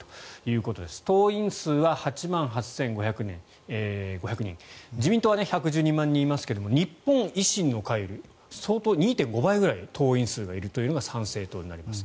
党員数は８万８５００人自民党は１１２万人いますが日本維新の会より相当２．５倍ぐらい党員数がいるというのが参政党になります。